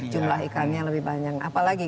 jumlah ikannya lebih banyak apalagi